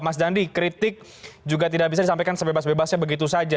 mas dandi kritik juga tidak bisa disampaikan sebebas bebasnya begitu saja